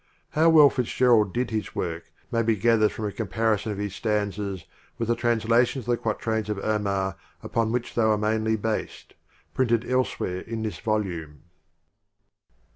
How well FitzGerald did his work may be gathered from a comparison of his stanzas with the translations of the quat rains of Omar upon which they were mainly based, printed elsewhere in this volume.